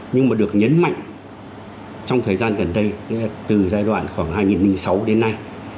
nhưng mà được nhấn mạnh trong thời gian gần đây từ giai đoạn khoảng hai nghìn sáu đến nay